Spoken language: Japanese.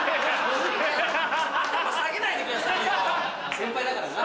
先輩だからな。